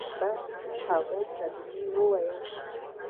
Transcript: بس هغوى کلمه ويلې ده.